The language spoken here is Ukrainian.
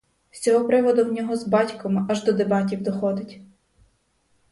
З цього приводу в нього з батьком аж до дебатів доходить.